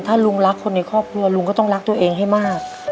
ถ้าลุงรักคนในครอบครัวลุงก็ต้องรักตัวเองให้มาก